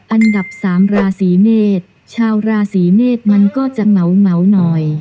อันดับสามราศีเมษชาวราศีเมษมันก็จะเหงาหน่อย